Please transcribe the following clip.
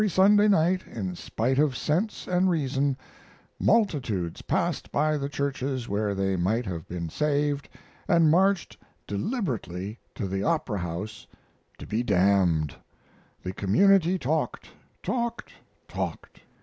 Every Sunday night, in spite of sense and reason, multitudes passed by the churches where they might have been saved, and marched deliberately to the Opera House to be damned. The community talked, talked, talked.